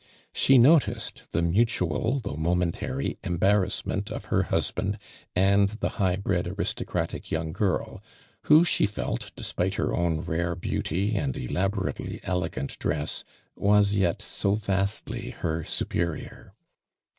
She noticed the mutual though momentary embarrassment of her iiusband and thti high hired, aristocratic young girl, who, she felt, despite her own rare beauty and elaborately elegant dress, was yet so vastly her superior.